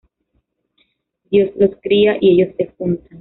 Dios los cría y ellos se juntan